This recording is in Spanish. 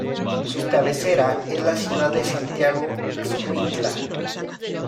Su cabecera es la ciudad de Santiago Ixcuintla.